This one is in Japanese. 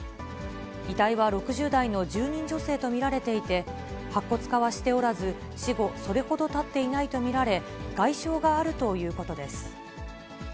遺体は６０代の住人女性と見られていて、白骨化はしておらず、死後それほどたっていないと見られ、外傷があるということです。